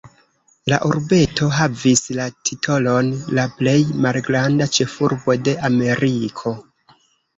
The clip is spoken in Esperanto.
La urbeto havis la titolon "la plej malgranda ĉefurbo de Ameriko".